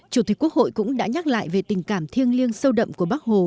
chủ tịch quốc hội cũng đã nhắc lại về tình cảm thiêng liêng sâu đậm của bác hồ